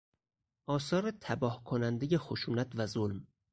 آثار تباهکنندهی خشونت و ظلم